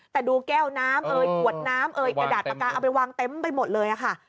แต่ดูแก้วน้ำปวดน้ำประกาศเอาไปวางเต็มไปหมดเลยอะค่ะ